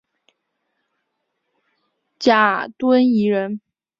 贾敦颐人。